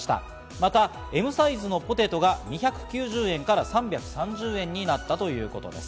また、Ｍサイズのポテトが２９０円から３３０円になったということです。